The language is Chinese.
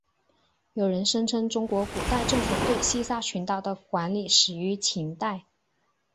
有人声称中国古代政府对西沙群岛的管理始于秦代。